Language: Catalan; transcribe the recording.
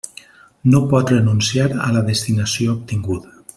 No pot renunciar a la destinació obtinguda.